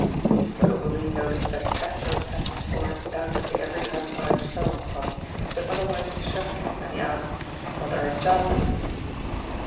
Mr. Ogilvy noticed that Cathro tapped his forehead doubtfully every time his eyes fell on Tommy, but otherwise shunned him, and he asked "What are his chances?"